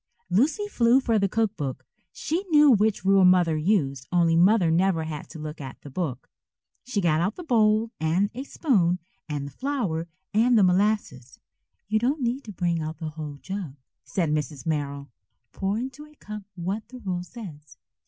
Lucy flew for the cook book. She knew which rule Mother used, only Mother never had to look at the book. She got out the bowl and a spoon and the flour and the molasses. "You don't need to bring out the whole jug," said Mrs. Merrill. "Pour into a cup what the rule says."